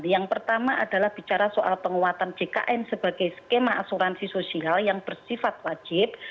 yang pertama adalah bicara soal penguatan jkn sebagai skema asuransi sosial yang bersifat wajib